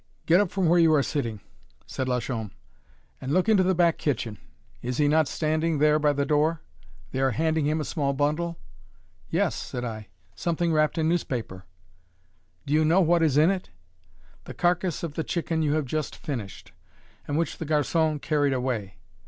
Get up from where you are sitting," said Lachaume, "and look into the back kitchen. Is he not standing there by the door they are handing him a small bundle?" "Yes," said I, "something wrapped in newspaper." "Do you know what is in it? the carcass of the chicken you have just finished, and which the garçon carried away.